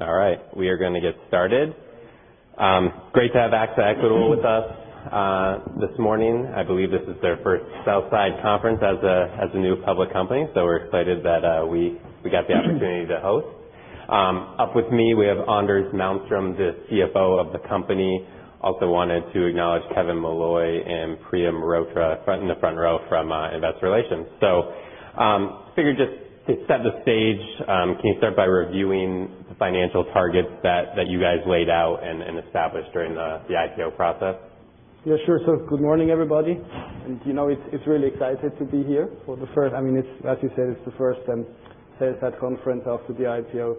All right. We are going to get started. Great to have AXA Equitable with us this morning. I believe this is their first sell side conference as a new public company, so we're excited that we got the opportunity to host. Up with me, we have Anders Malmström, the CFO of the company. Also wanted to acknowledge Kevin Molloy and Priyam Rotra in the front row from Investor Relations. Figured just to set the stage, can you start by reviewing the financial targets that you guys laid out and established during the IPO process? Yeah, sure. Good morning, everybody. It's really exciting to be here for the first. As you said, it's the first sell side conference after the IPO,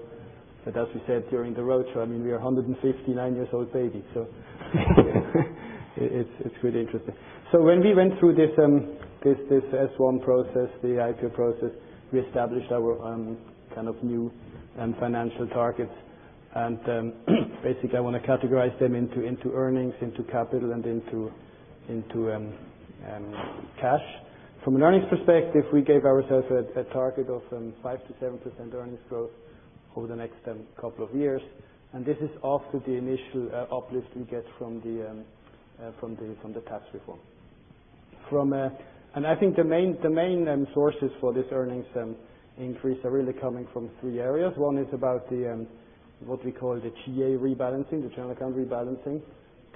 but as we said during the roadshow, we are 159-years-old baby, it's really interesting. When we went through this S-1 process, the IPO process, we established our new financial targets. Basically, I want to categorize them into earnings, into capital, and into cash. From an earnings perspective, we gave ourselves a target of 5%-7% earnings growth over the next couple of years. This is after the initial uplift we get from the tax reform. I think the main sources for this earnings increase are really coming from three areas. One is about what we call the GA rebalancing, the general account rebalancing,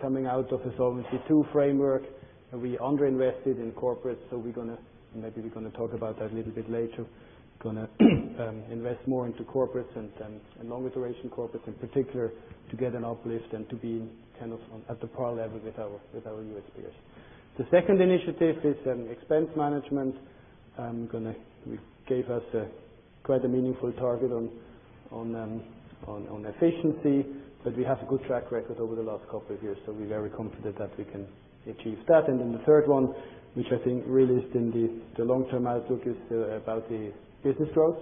coming out of a Solvency II framework. We underinvested in corporate, maybe we're going to talk about that a little bit later. We're going to invest more into corporates and long iteration corporates in particular to get an uplift and to be at the par level with our U.S. peers. The second initiative is expense management. We gave us quite a meaningful target on efficiency, we have a good track record over the last couple of years, we're very confident that we can achieve that. The third one, which I think really is in the long-term outlook, is about the business growth.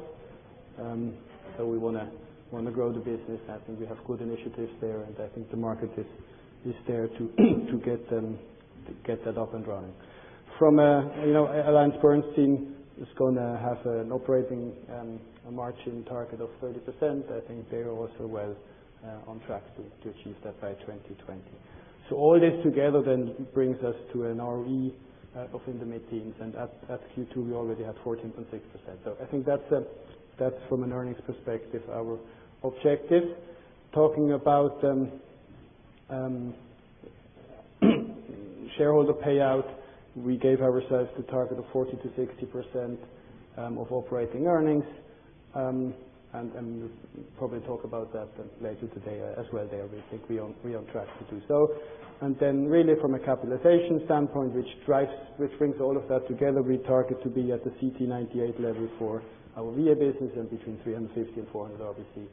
We want to grow the business, we have good initiatives there, I think the market is there to get that up and running. AllianceBernstein is going to have an operating margin target of 30%. I think they are also well on track to achieve that by 2020. All this together brings us to an ROE of in the mid-teens, at Q2, we already had 14.6%. I think that's from an earnings perspective, our objective. Talking about shareholder payout, we gave ourselves the target of 40%-60% of operating earnings. We'll probably talk about that later today as well there. We think we're on track to do so. Really from a capitalization standpoint, which brings all of that together, we target to be at the CTE 98 level for our VA business and between 350 and 400 obviously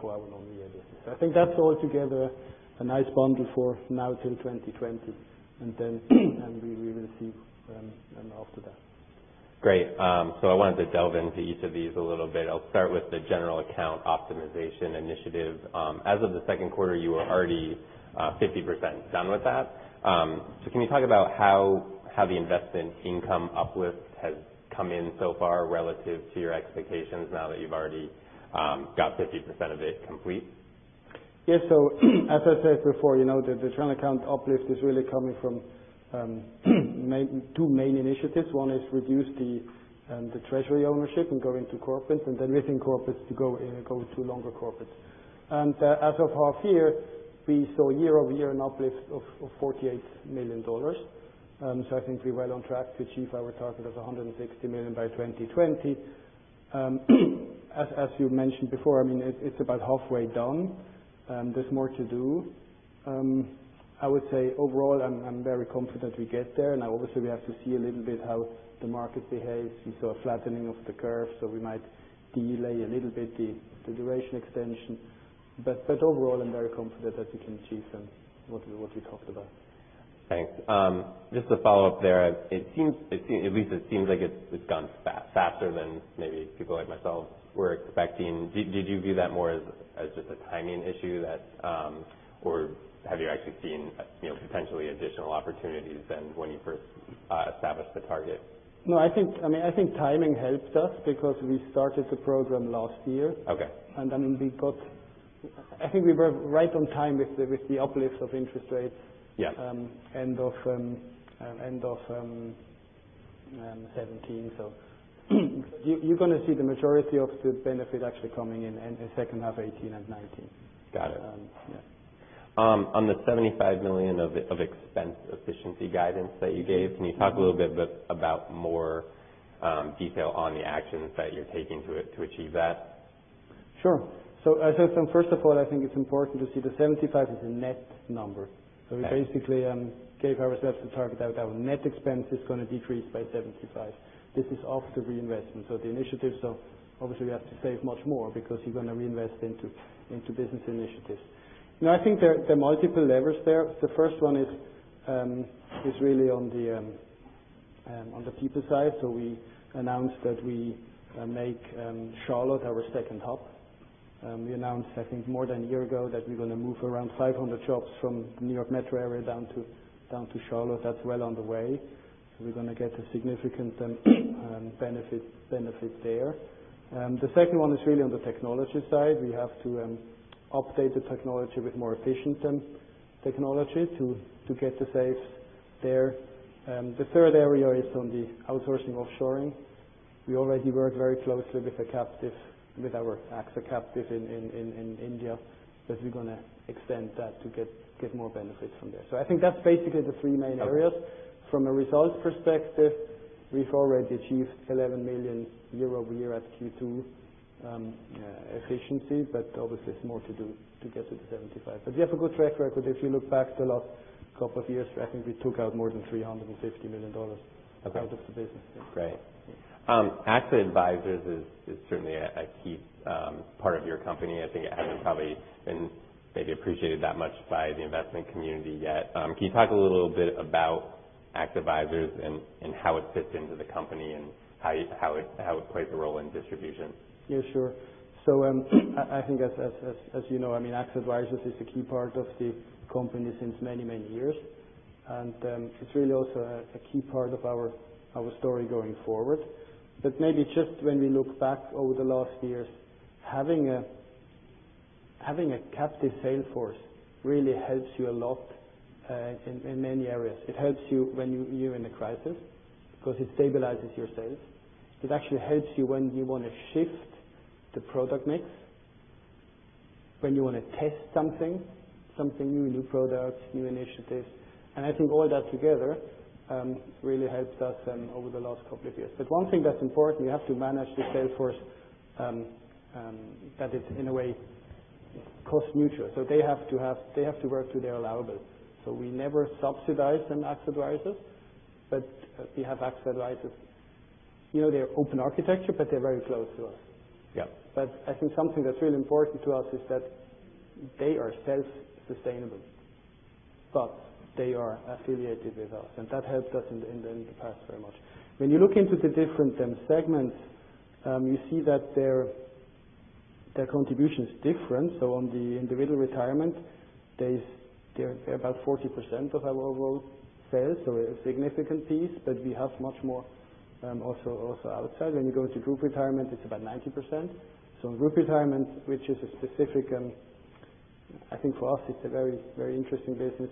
for our non-VA business. I think that's all together a nice boundary for now till 2020, we will see after that. I wanted to delve into each of these a little bit. I'll start with the General Account Optimization initiative. As of the second quarter, you were already 50% done with that. Can you talk about how the investment income uplift has come in so far relative to your expectations now that you've already got 50% of it complete? As I said before, the general account uplift is really coming from two main initiatives. One is reduce the treasury ownership and go into corporate, and then within corporate, is to go to longer corporate. As of half year, we saw year-over-year an uplift of $48 million. I think we're well on track to achieve our target of $160 million by 2020. As you mentioned before, it's about halfway done. There's more to do. I would say overall, I'm very confident we'll get there. Obviously, we have to see a little bit how the market behaves. We saw a flattening of the curve, we might delay a little bit the duration extension. Overall, I'm very confident that we can achieve what we talked about. Thanks. Just to follow up there, at least it seems like it's gone faster than maybe people like myself were expecting. Did you view that more as just a timing issue? Or have you actually seen potentially additional opportunities than when you first established the target? No. I think timing helped us because we started the program last year. Okay. I think we were right on time with the uplift of interest rates. Yeah End of 2017. You're going to see the majority of the benefit actually coming in in the second half of 2018 and 2019. Got it. Yeah. On the $75 million of expense efficiency guidance that you gave, can you talk a little bit about more detail on the actions that you're taking to achieve that? Sure. First of all, I think it's important to see the 75 is a net number. Okay. We basically gave ourselves a target that our net expense is going to decrease by 75. This is after reinvestment. The initiatives, obviously we have to save much more because you're going to reinvest into business initiatives. I think there are multiple levers there. The first one is really on the people side. We announced that we make Charlotte our second hub. We announced, I think, more than a year ago that we're going to move around 500 jobs from New York metro area down to Charlotte. That's well on the way. We're going to get a significant benefit there. The second one is really on the technology side. We have to update the technology with more efficient technology to get the sales there. The third area is on the outsourcing offshoring. We already work very closely with our AXA captive in India, but we're going to extend that to get more benefits from there. I think that's basically the three main areas. From a results perspective, we've already achieved $11 million year-over-year at Q2 efficiency, but obviously it's more to do to get to the 75. We have a good track record. If you look back the last couple of years, I think we took out more than $350 million out of the business. Great. AXA Advisors is certainly a key part of your company. I think it hasn't probably been maybe appreciated that much by the investment community yet. Can you talk a little bit about AXA Advisors and how it fits into the company and how it plays a role in distribution? Yeah, sure. I think as you know, AXA Advisors is a key part of the company since many, many years. It's really also a key part of our story going forward. Maybe just when we look back over the last years, having a captive sales force really helps you a lot in many areas. It helps you when you're in a crisis because it stabilizes your sales. It actually helps you when you want to shift the product mix, when you want to test something, new products, new initiatives. I think all that together really helps us over the last couple of years. One thing that's important, you have to manage the sales force, that it's in a way cost neutral. They have to work to their allowance. We never subsidize an AXA Advisors, but we have AXA Advisors. They're open architecture, but they're very close to us. Yeah. I think something that's really important to us is that they are self-sustainable, but they are affiliated with us, and that helped us in the past very much. When you look into the different segments, you see that their contribution is different. On the individual retirement, they're about 40% of our overall sales, so a significant piece, but we have much more, also outside. When you go into group retirement, it's about 90%. In group retirement, which is a specific, and I think for us it's a very interesting business.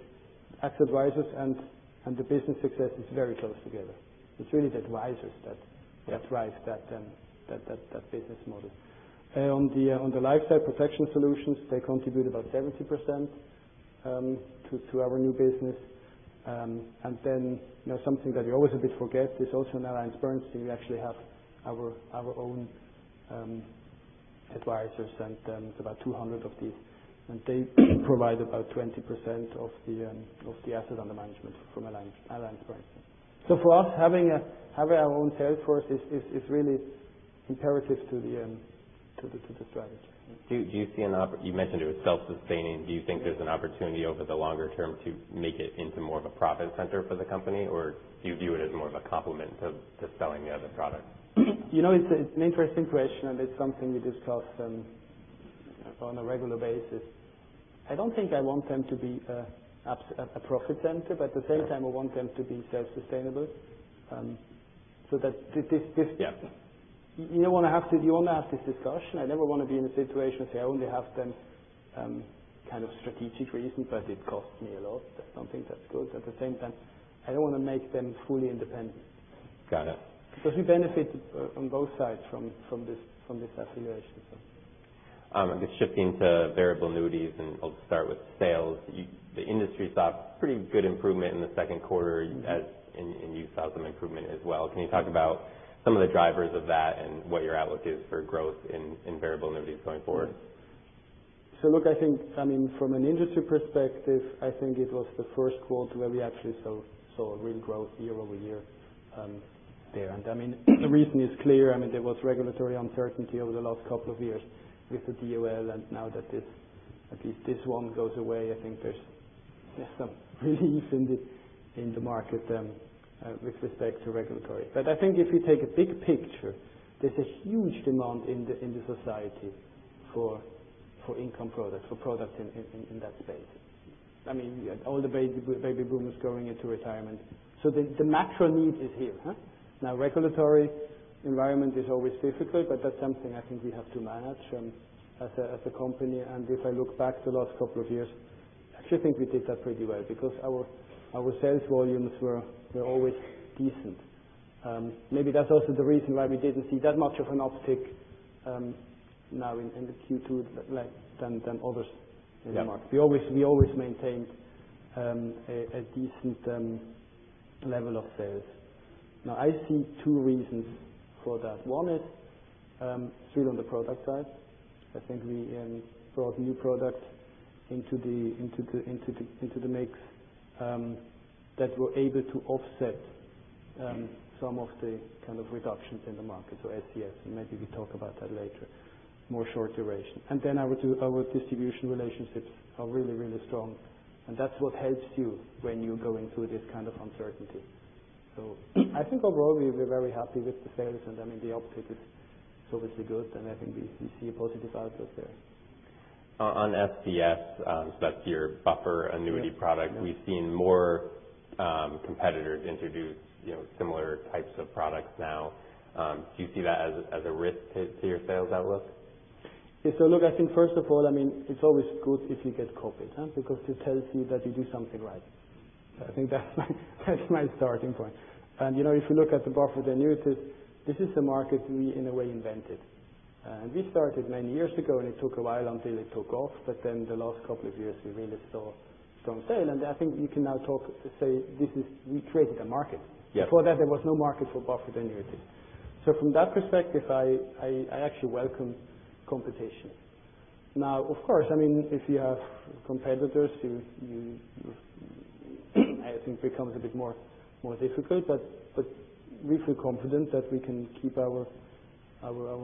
AXA Advisors and the business success is very close together. It's really the advisors that drive that business model. On the lifestyle protection solutions, they contribute about 70% to our new business. Something that you always a bit forget is also in AllianceBernstein, we actually have our own advisors, and it's about 200 of these. They provide about 20% of the asset under management from AllianceBernstein. For us, having our own sales force is really imperative to the strategy. You mentioned it was self-sustaining. Do you think there's an opportunity over the longer term to make it into more of a profit center for the company? Or do you view it as more of a complement to selling the other products? It's an interesting question. It's something we discuss on a regular basis. I don't think I want them to be a profit center. At the same time, I want them to be self-sustainable. Yeah I want to have this discussion. I never want to be in a situation, say, I only have them, kind of strategic reasons, but it costs me a lot. I don't think that's good. At the same time, I don't want to make them fully independent. Got it. We benefit on both sides from this affiliation. Just shifting to Variable Annuities, I'll start with sales. The industry saw pretty good improvement in the second quarter. You saw some improvement as well. Can you talk about some of the drivers of that and what your outlook is for growth in Variable Annuities going forward? Look, I think from an industry perspective, I think it was the first quarter where we actually saw a real growth year-over-year there. The reason is clear. There was regulatory uncertainty over the last couple of years with the DOL, now that at least this one goes away, I think there's some relief in the market, with respect to regulatory. I think if you take a big picture, there's a huge demand in the society for income products, for products in that space. All the baby boomers going into retirement. The natural need is here. Regulatory environment is always difficult, but that's something I think we have to manage as a company. If I look back the last couple of years, I actually think we did that pretty well because our sales volumes were always decent. Maybe that's also the reason why we didn't see that much of an uptick now in the Q2 than other markets. Yeah. We always maintained a decent level of sales. I see two reasons for that. One is straight on the product side. I think we brought new products into the mix, that were able to offset some of the kind of reductions in the market. SCS, and maybe we talk about that later, more short duration. Our distribution relationships are really, really strong, and that's what helps you when you go into this kind of uncertainty. I think overall, we're very happy with the sales, and the uptick is obviously good, and I think we see a positive outlook there. On SCS, that's your buffer annuity product. Yeah. We've seen more competitors introduce similar types of products now. Do you see that as a risk to your sales outlook? Yes. Look, I think first of all, it's always good if you get copied, because it tells you that you do something right. I think that's my starting point. If you look at the buffered annuities, this is the market we, in a way, invented. We started many years ago, and it took a while until it took off, but the last couple of years, we really saw strong sale. I think you can now say we created a market. Yeah. Before that, there was no market for buffered annuities. From that perspective, I actually welcome competition. Of course, if you have competitors, I think it becomes a bit more difficult, but we feel confident that we can keep our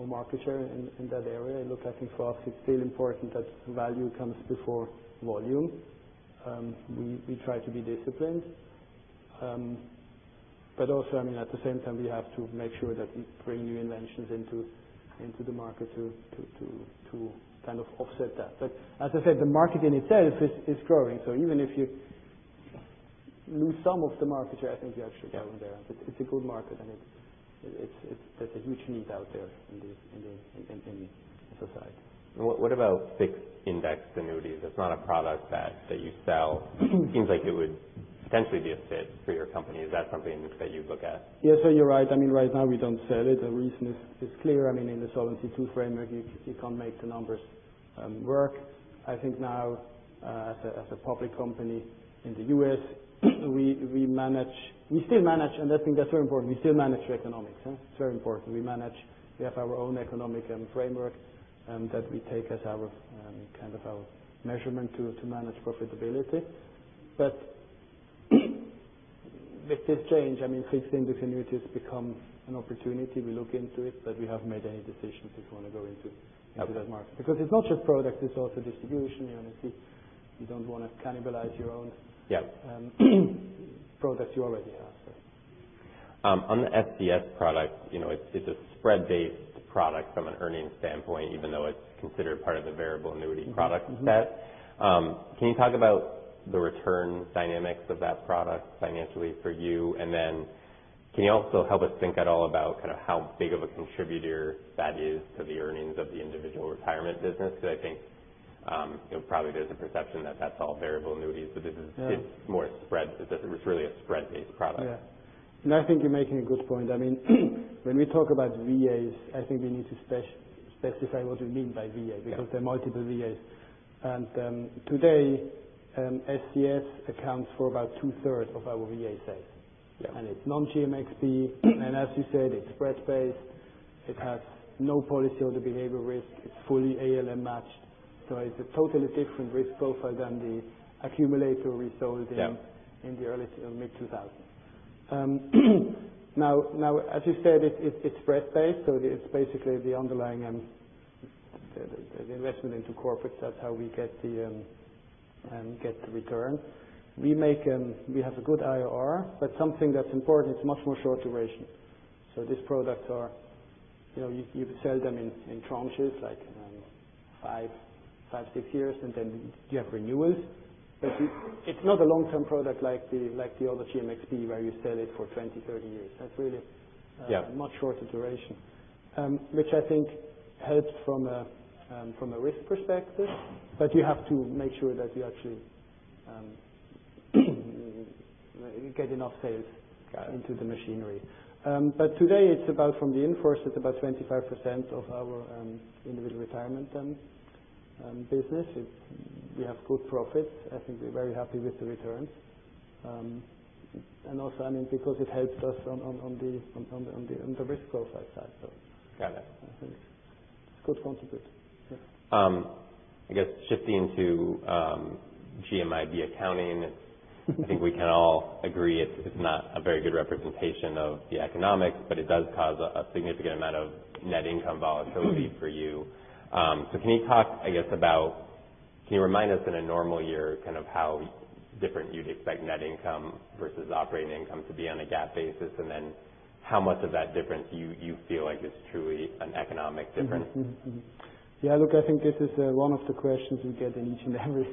market share in that area. Look, I think for us, it's still important that value comes before volume. We try to be disciplined. Also, at the same time, we have to make sure that we bring new inventions into the market to kind of offset that. As I said, the market in itself is growing. Even if you lose some of the market share, I think you're actually growing there. It's a good market, and there's a huge need out there in society. What about fixed indexed annuities? It's not a product that you sell. It seems like it would potentially be a fit for your company. Is that something that you look at? Yes. You're right. Right now, we don't sell it. The reason is clear. In the Solvency II framework, you can't make the numbers work. I think now, as a public company in the U.S., we still manage, and I think that's very important. We still manage to economics. It's very important. We have our own economic framework, that we take as our measurement tool to manage profitability. With this change, fixed index annuities become an opportunity. We look into it, but we haven't made any decisions if we want to go into. Yeah that market. It's not just product, it's also distribution. You don't want to cannibalize. Yeah products you already have. On the SCS product, it's a spread-based product from an earnings standpoint, even though it's considered part of the variable annuity product set. Can you talk about the return dynamics of that product financially for you? Can you also help us think at all about how big of a contributor that is to the earnings of the individual retirement business? I think, probably there's a perception that that's all variable annuities. Yeah It's really a spread-based product. Yeah. No, I think you're making a good point. When we talk about VAs, I think we need to specify what we mean by VAs. Yeah. There are multiple VAs. Today, SCS accounts for about two-thirds of our VA sales. Yeah. It's non-GMXP, as you said, it's spread-based. It has no policyholder behavior risk. It's fully ALM matched. It's a totally different risk profile than the accumulator we sold. Yeah the mid-2000s. As you said, it is spread-based, it is basically the underlying investment into corporates. That is how we get the return. We have a good IRR, something that is important, it is much more short duration. You sell them in tranches, like five, six years, you have renewals. It is not a long-term product like the older GMXP, where you sell it for 20, 30 years. Yeah A much shorter duration. Which I think helps from a risk perspective, you have to make sure that you actually get enough sales. Got it. Into the machinery. Today, from the in-force, it is about 25% of our individual retirement business. We have good profits. I think we are very happy with the returns because it helps us on the risk profile side. Got it. I think it's a good contribution. Yeah. I guess shifting to GMIB accounting, I think we can all agree it's not a very good representation of the economics, but it does cause a significant amount of net income volatility for you. Can you remind us in a normal year, kind of how different you'd expect net income versus operating income to be on a GAAP basis, and then how much of that difference do you feel like is truly an economic difference? Yeah. Look, I think this is one of the questions we get in each and every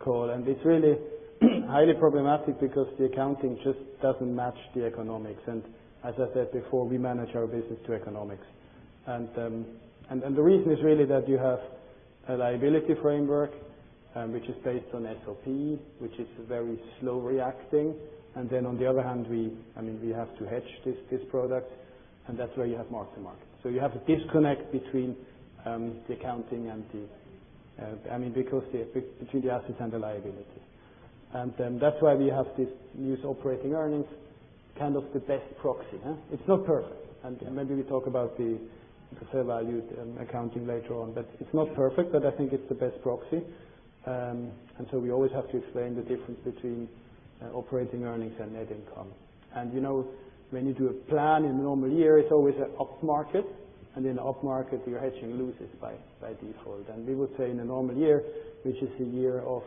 call. It's really highly problematic because the accounting just doesn't match the economics. As I said before, we manage our business to economics. The reason is really that you have a liability framework, which is based on SOP, which is very slow reacting. On the other hand, we have to hedge this product, and that's where you have mark-to-market. You have a disconnect between the accounting and Between the assets and the liability. That's why we use operating earnings, kind of the best proxy. It's not perfect. Maybe we talk about the fair value accounting later on. It's not perfect, but I think it's the best proxy. We always have to explain the difference between operating earnings and net income. When you do a plan in a normal year, it's always an upmarket. In an upmarket, your hedging loses by default. We would say in a normal year, which is a year of,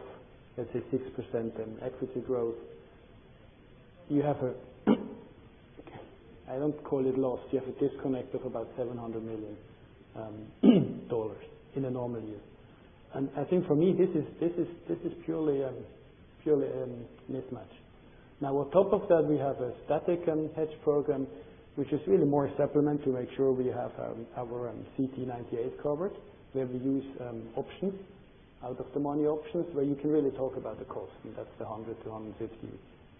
let's say, 6% in equity growth, you have a, I don't call it loss, you have a disconnect of about $700 million in a normal year. I think for me, this is purely a mismatch. On top of that, we have a static hedge program, which is really more supplement to make sure we have our CTE 98 covered, where we use options, out-of-the-money options, where you can really talk about the cost, and that's the $100-$150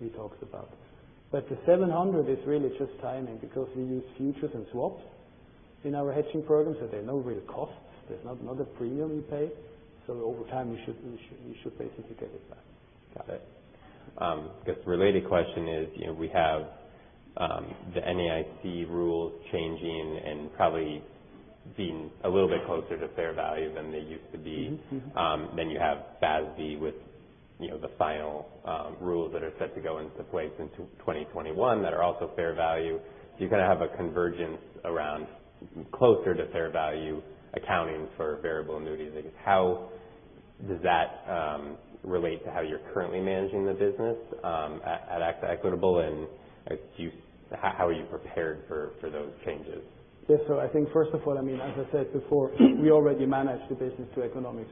we talked about. The $700 is really just timing because we use futures and swaps in our hedging program, so there are no real costs. There's not a premium we pay. Over time, you should basically get it back. Got it. I guess related question is, we have the NAIC rules changing and probably being a little bit closer to fair value than they used to be. You have FASB with the final rules that are set to go into place in 2021 that are also fair value. You're going to have a convergence around closer to fair value accounting for variable annuities. I guess how does that relate to how you're currently managing the business at Equitable, and how are you prepared for those changes? I think first of all, as I said before, we already manage the business to economics.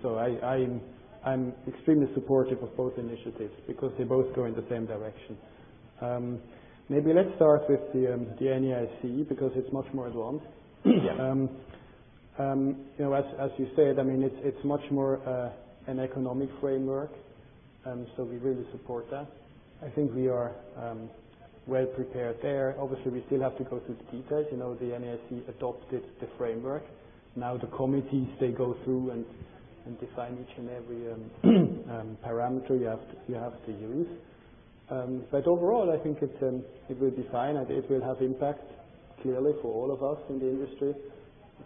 I'm extremely supportive of both initiatives because they both go in the same direction. Let's start with the NAIC, because it's much more advanced. Yeah. As you said, it's much more an economic framework. We really support that. I think we are well-prepared there. Obviously, we still have to go through the details. The NAIC adopted the framework. The committees, they go through and define each and every parameter you have to use. Overall, I think it will be fine, and it will have impact clearly for all of us in the industry.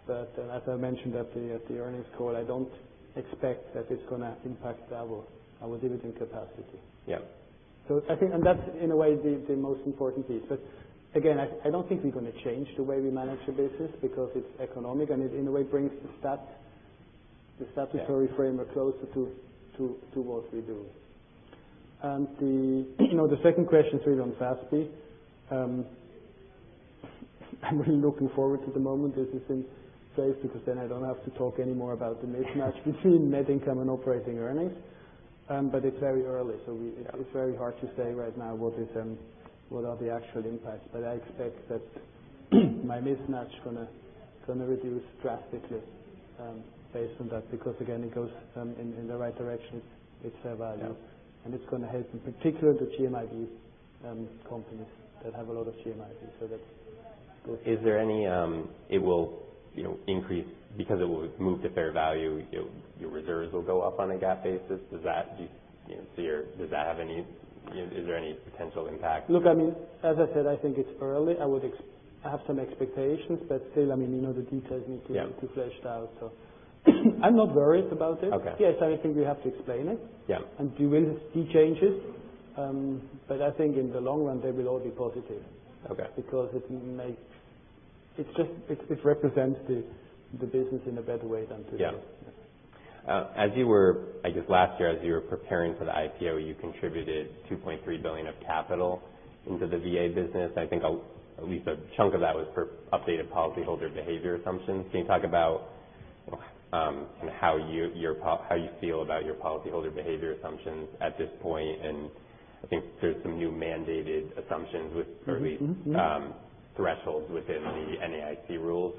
As I mentioned at the earnings call, I don't expect that it's going to impact our dividend capacity. Yeah. That's, in a way, the most important piece. Again, I don't think we're going to change the way we manage the business because it's economic and it, in a way, brings the statutory framework closer to what we do. The second question to you on FASB. I'm really looking forward to the moment this is in place because then I don't have to talk anymore about the mismatch between net income and operating earnings. It's very early, so it's very hard to say right now what are the actual impacts. I expect that my mismatch going to reduce drastically based on that, because, again, it goes in the right direction with fair value. Yeah. It's going to help in particular the GMIB companies that have a lot of GMIB. That's good. It will increase because it will move to fair value, your reserves will go up on a GAAP basis? Is there any potential impact? Look, as I said, I think it's early. I have some expectations, but still the details need to- Yeah be fleshed out, so I'm not worried about it. Okay. Yes, I think we have to explain it. Yeah. We will see changes. I think in the long run, they will all be positive. Okay. Because it represents the business in a better way than before. Yeah. As you were, I guess, last year, as you were preparing for the IPO, you contributed $2.3 billion of capital into the VA business. I think at least a chunk of that was for updated policyholder behavior assumptions. Can you talk about how you feel about your policyholder behavior assumptions at this point? I think there's some new mandated assumptions with, or at least. Thresholds within the NAIC rules,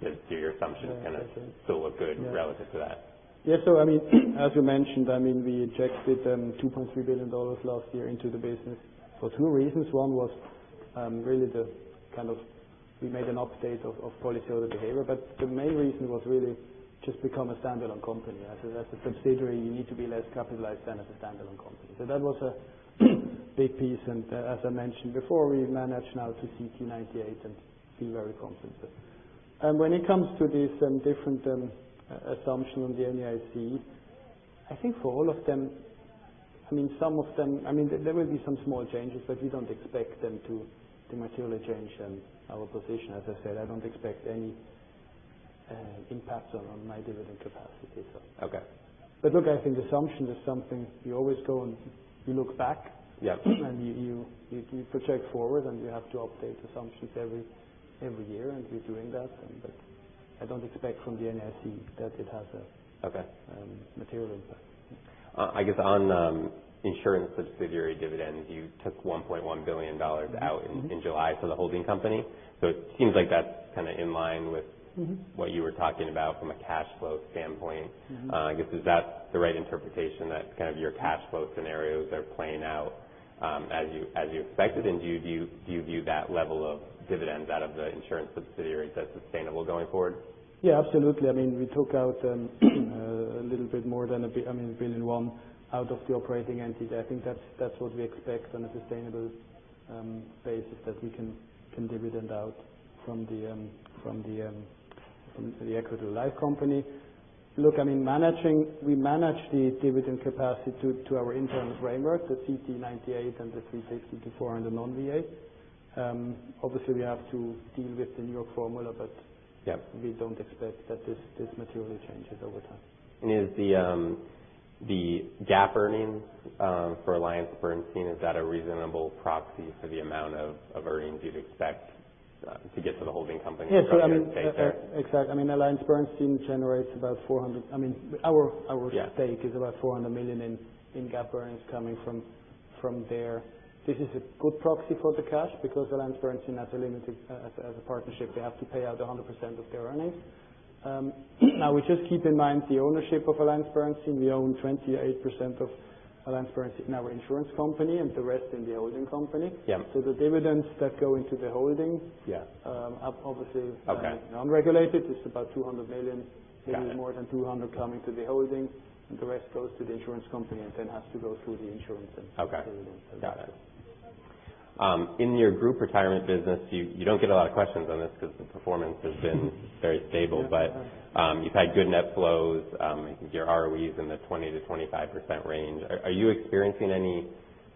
do your assumptions kind of still look good. Yeah relative to that? Yeah. As you mentioned, we injected $2.3 billion last year into the business for two reasons. One was really the kind of, we made an update of policyholder behavior. The main reason was really just become a standalone company. As a subsidiary, you need to be less capitalized than as a standalone company. That was a big piece, and as I mentioned before, we manage now to CTE 98 and feel very confident there. When it comes to these different assumptions on the NAIC, I think for all of them, there will be some small changes, we don't expect them to materially change our position. As I said, I don't expect any impact on our dividend capacity. Okay. Look, I think assumption is something you always go, and you look back. Yeah. You project forward, you have to update assumptions every year, we're doing that. I don't expect from the NAIC that it has. Okay material impact. I guess on insurance subsidiary dividends, you took $1.1 billion out- in July for the holding company. It seems like that's kind of in line with- what you were talking about from a cash flow standpoint. I guess, is that the right interpretation? That kind of your cash flow scenarios are playing out as you expected, do you view that level of dividends out of the insurance subsidiary as sustainable going forward? Yeah, absolutely. We took out a little bit more than $1 billion, I mean, $1.1 billion out of the operating entities. I think that's what we expect on a sustainable basis that we can dividend out from the Equitable Life. Look, we manage the dividend capacity to our internal framework, the CTE 98 and the 350-400 non-VA. Obviously, we have to deal with the New York formula. Yeah We don't expect that this materially changes over time. Is the GAAP earnings for AllianceBernstein, is that a reasonable proxy for the amount of earnings you'd expect to get to the holding company structure in place there? Exactly. AllianceBernstein generates about $400. Our stake is about $400 million in GAAP earnings coming from there. This is a good proxy for the cash because AllianceBernstein, as a partnership, they have to pay out 100% of their earnings. Now, we just keep in mind the ownership of AllianceBernstein. We own 28% of AllianceBernstein in our insurance company, and the rest in the holding company. Yeah. The dividends that go into the holding- Yeah are obviously- Okay non-regulated. It's about $200 million. Got it. Maybe more than $200 coming to the holdco. The rest goes to the insurance company and then has to go through the insurance. Okay. Got it. In your group retirement business, you don't get a lot of questions on this because the performance has been very stable. You've had good net flows. I think your ROE is in the 20%-25% range. Are you experiencing any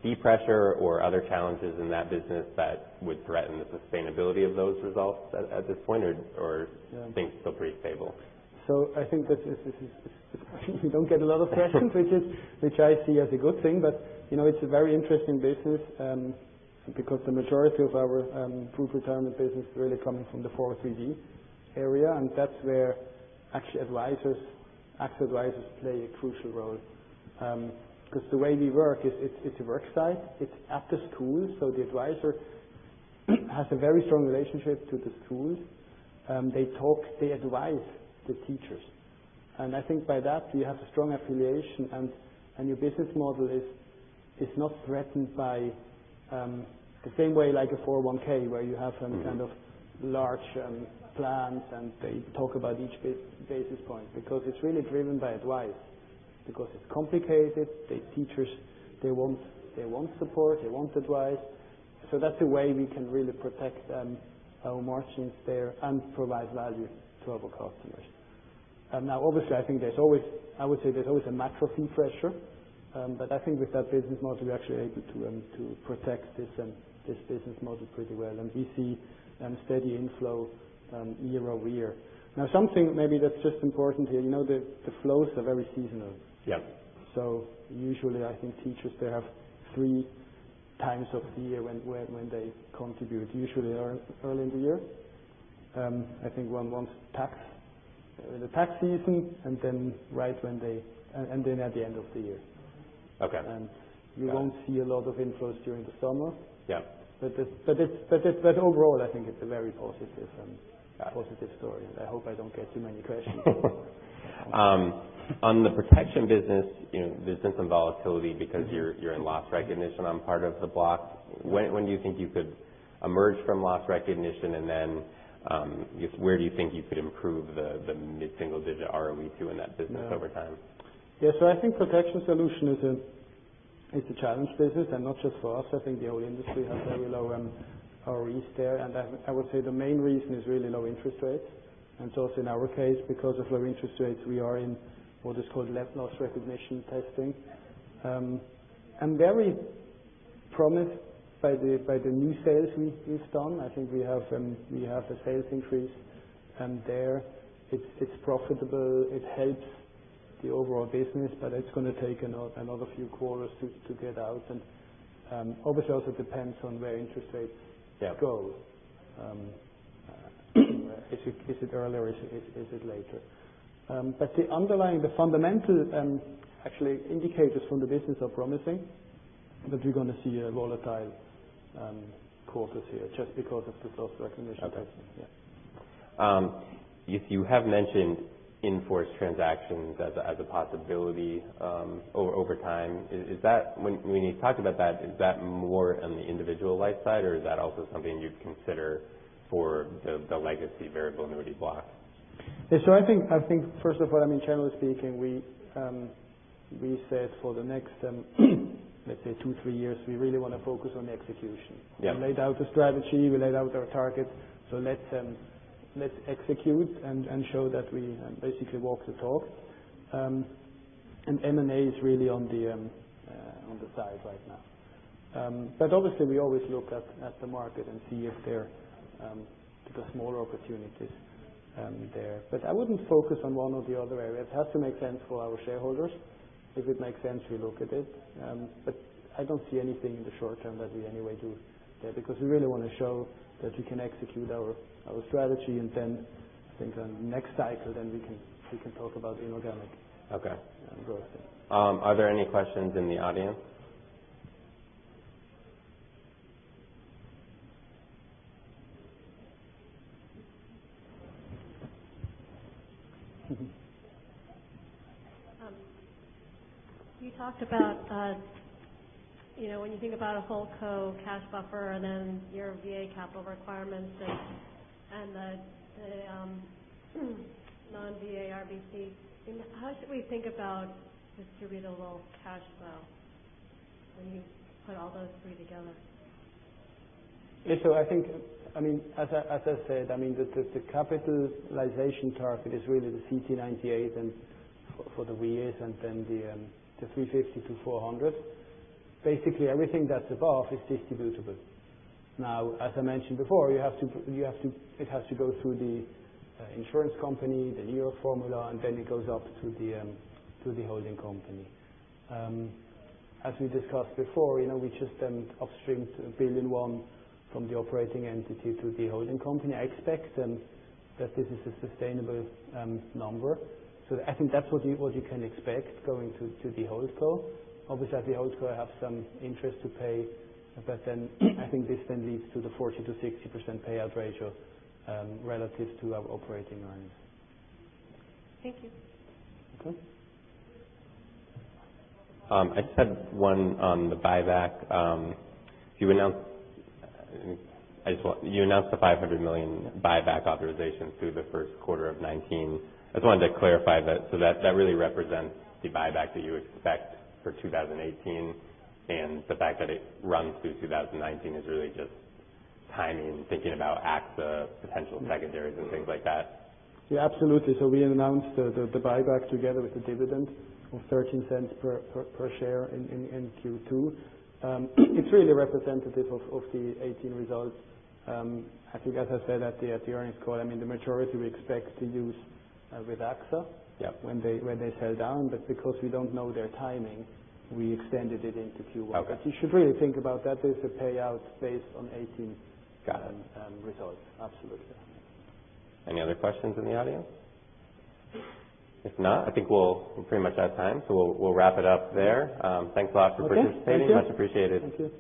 fee pressure or other challenges in that business that would threaten the sustainability of those results at this point? Are things still pretty stable? I think that this is a question we don't get a lot of questions, which I see as a good thing. It's a very interesting business, because the majority of our group retirement business really coming from the 403(b) area, and that's where AXA Advisors play a crucial role. The way we work is, it's a work site. It's after school, so the advisor has a very strong relationship to the school. They talk, they advise the teachers. I think by that, you have a strong affiliation, and your business model is not threatened by the same way like a 401(k), where you have some kind of large plans, and they talk about each basis point, because it's really driven by advice. It's complicated. The teachers, they want support, they want advice. That's a way we can really protect our margins there and provide value to our customers. Obviously, I think there's always a macro fee pressure. I think with that business model, we're actually able to protect this business model pretty well, and we see steady inflow year-over-year. Something maybe that's just important here, the flows are very seasonal. Yeah. Usually, I think teachers, they have three times of the year when they contribute. Usually, early in the year. I think one month in the tax season, and then at the end of the year. Okay. You won't see a lot of inflows during the summer. Yeah. Overall, I think it's a very positive story. I hope I don't get too many questions. On the protection business, there's been some volatility because you're in loss recognition on part of the block. When do you think you could emerge from loss recognition, and then where do you think you could improve the mid-single digit ROE too in that business over time? Yeah. I think protection solution is a challenge business, and not just for us. I think the whole industry has very low ROEs there. I would say the main reason is really low interest rates. It's, in our case, because of low interest rates, we are in what is called loss recognition testing. I'm very promised by the new sales we've done. I think we have a sales increase there. It's profitable. It helps the overall business, but it's going to take another few quarters to get out. Obviously, also depends on where interest rates go. Yeah. Is it earlier? Is it later? The underlying, the fundamental, actually, indicators from the business are promising, but we're going to see a volatile quarter here just because of the loss recognition testing. Okay. Yeah. You have mentioned in-force transactions as a possibility over time. When you talk about that, is that more on the individual life side, or is that also something you'd consider for the legacy variable annuity block? Yeah. I think, first of all, generally speaking, we said for the next, let's say two, three years, we really want to focus on the execution. Yeah. We laid out a strategy. We laid out our targets. Let's execute and show that we basically walk the talk. M&A is really on the side right now. Obviously, we always look at the market and see if there are smaller opportunities there. I wouldn't focus on one or the other area. It has to make sense for our shareholders. If it makes sense, we look at it. I don't see anything in the short term that we anyway do there, because we really want to show that we can execute our strategy, and then I think on the next cycle, then we can talk about inorganic- Okay growth, yeah. Are there any questions in the audience? You talked about when you think about a holdco cash buffer and then your VA capital requirements and the non-VA RBC, how should we think about distributable cash flow when you put all those three together? I think, as I said, the capitalization target is really the CTE 98 for the RBC, and then the 350%-400%. Basically, everything that's above is distributable. Now, as I mentioned before, it has to go through the insurance company, the New York formula, and then it goes up to the holding company. As we discussed before, we just upstreamed $1.1 billion from the operating entity to the holding company. I expect that this is a sustainable number. I think that's what you can expect going to the holdco. Obviously, at the holdco, I have some interest to pay, but then I think this then leads to the 40%-60% payout ratio relative to our operating earnings. Thank you. Okay. I just had one on the buyback. You announced the $500 million buyback authorization through the first quarter of 2019. I just wanted to clarify. That really represents the buyback that you expect for 2018, and the fact that it runs through 2019 is really just timing, thinking about AXA potential secondaries and things like that? Yeah, absolutely. We announced the buyback together with the dividend of $0.13 per share in Q2. It's really representative of the 2018 results. I think, as I said at the earnings call, the majority we expect to use with AXA- Yeah when they sell down. Because we don't know their timing, we extended it into Q1. Okay. You should really think about that as a payout based on 2018- Got it results. Absolutely. Any other questions in the audience? If not, I think we're pretty much out of time, so we'll wrap it up there. Thanks a lot for participating. Okay. Thank you. Much appreciated. Thank you.